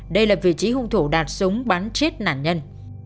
đây là vị trí hung thủ đạt súng bắn chết nạn nhân